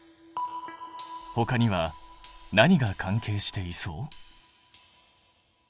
ほかには何が関係していそう？